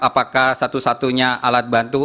apakah satu satunya alat bantu